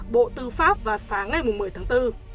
bộ tư pháp vào sáng ngày một mươi tháng bốn